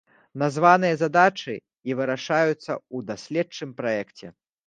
Названыя задачы і вырашаюцца ў даследчым праекце.